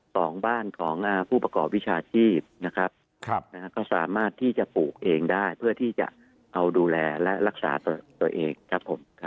สองบ้านของผู้ประกอบวิชาชีพนะครับก็สามารถที่จะปลูกเองได้เพื่อที่จะเอาดูแลและรักษาตัวเองครับผม